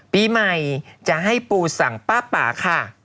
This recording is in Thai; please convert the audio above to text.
ปีใหม่จะให้ปูสั่งป้าป่าค่ะ